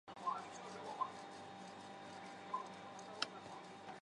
腿龙的化石发现于英格兰与美国亚利桑那州。